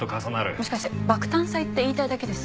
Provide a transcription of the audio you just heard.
もしかして爆誕祭って言いたいだけです？